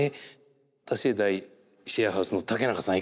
多世代シェアハウスの竹中さん